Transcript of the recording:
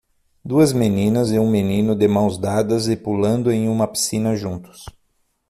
Duas meninas e um menino de mãos dadas e pulando em uma piscina juntos.